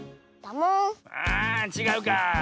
あちがうかあ。